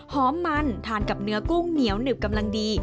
หอมมันทานกับเนื้อกุ้งเหนียวหนึบกำลังดี